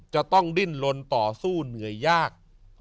จะต้องดิ้นลนต่อสู้เหนื่อยยาก